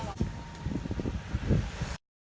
สวัสดีครับคุณผู้ชาย